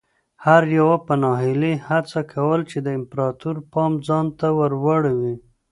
هر یوه په ناهیلۍ هڅه کوله چې د امپراتور پام ځان ته ور واړوي.